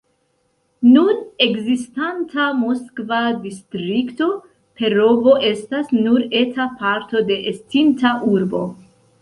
Nun ekzistanta moskva distrikto Perovo estas nur eta parto de estinta urbo.